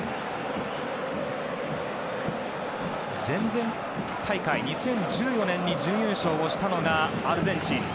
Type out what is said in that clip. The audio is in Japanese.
前々大会、２０１４年に準優勝をしたのがアルゼンチン。